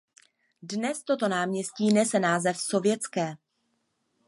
Dnes toto náměstí nese název Sovětské.